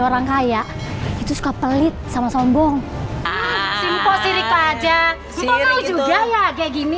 orang kaya itu suka pelit sama sombong simposir iku aja sih itu juga ya kayak gini